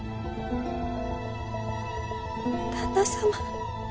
旦那様。